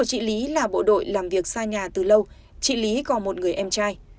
chỉ lý có một người em trai